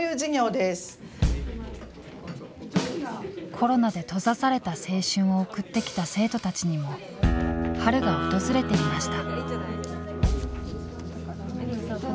コロナで閉ざされた青春を送ってきた生徒たちにも春が訪れていました。